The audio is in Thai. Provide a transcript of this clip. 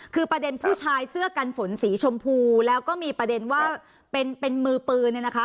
คือประเด็นผู้ชายเสื้อกันฝนสีชมพูแล้วก็มีประเด็นว่าเป็นมือปืนเนี่ยนะคะ